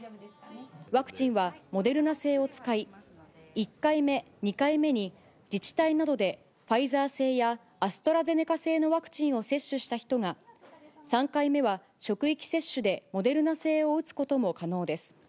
ワクチンは、モデルナ製を使い、１回目、２回目に自治体などでファイザー製や、アストラゼネカ製のワクチンを接種した人が、３回目は職域接種で、モデルナ製を打つことも可能です。